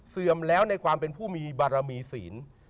เสื่อมแล้วในความเป็นผู้มีบารมีศีล